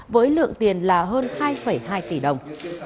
với lượng tiền là hơn hai hai tỷ đồng